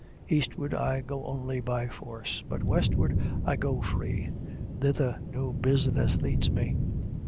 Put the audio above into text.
Eastward I go only by force; but westward I go free. Thither no business leads me.